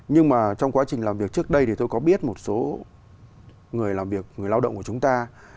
nhưng mà trong quá trình làm việc trước đây thì tôi có biết một số người làm việc người lao động của chúng ta